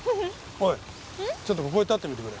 おいちょっとここへ立ってみてくれ。